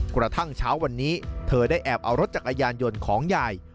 กระทั่งเช้าวันนี้เธอได้แอบเอารถจักรยานยนต์ของยาย